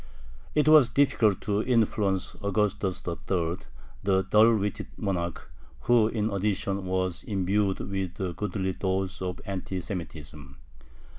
It was difficult to influence Augustus III., the dull witted monarch, who, in addition, was imbued with a goodly dose of anti Semitism.